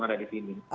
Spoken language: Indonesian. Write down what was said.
ada di sini